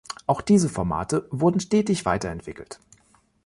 Auch diese Formate wurden stetig weiterentwickelt.